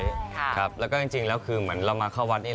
ครับแล้วก็จริงแล้วคือเหมือนเรามาเข้าวัดนี้